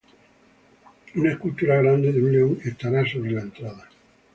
Una escultura grande de un león estará sobre la entrada.